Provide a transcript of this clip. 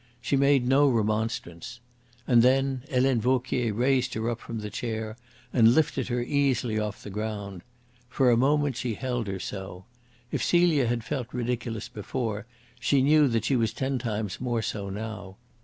She made no remonstrance. And then Helene Vauquier raised her up from the chair and lifted her easily off the ground. For a moment she held her so. If Celia had felt ridiculous before, she knew that she was ten times more so now.